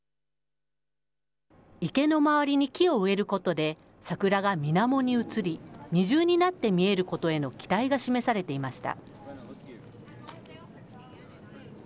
池の周りに木を植えることで、桜がみなもに映り、二重になって見えることへの期待が示されていました。